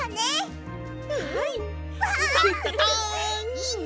いいね！